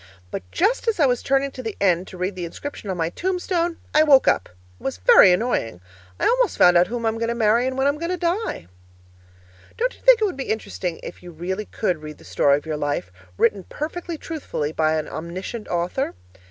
But just as I was turning to the end to read the inscription on my tombstone, I woke up. It was very annoying! I almost found out whom I'm going to marry and when I'm going to die. Don't you think it would be interesting if you really could read the story of your life written perfectly truthfully by an omniscient author?